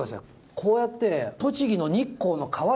こうやって。